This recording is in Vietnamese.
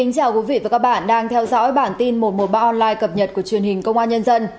chào mừng quý vị đến với bản tin một trăm một mươi ba online cập nhật của truyền hình công an nhân dân